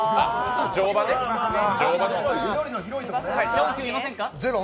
４、９いませんか？